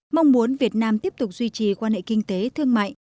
mong muốn việt nam tiếp tục duy trì quan hệ kinh tế thương mại